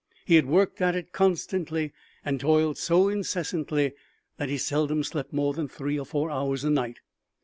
He had worked at it constantly and toiled so incessantly that he seldom slept more than three or four hours a night.